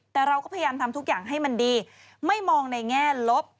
แต่เราก็พยายามทำทุกอย่างให้มันดีไม่มองในแง่ลบ